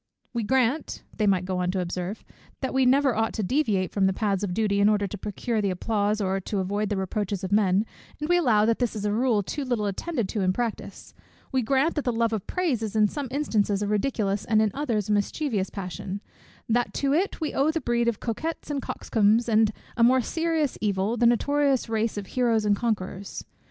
We grant," they might go on to observe, "that we never ought to deviate from the paths of duty in order to procure the applause or to avoid the reproaches of men, and we allow that this is a rule too little attended to in practice. We grant that the love of praise is in some instances a ridiculous, and in others a mischievous passion; that to it we owe the breed of coquettes and coxcombs, and, a more serious evil, the noxious race of heroes and conquerors.